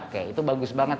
oke itu bagus banget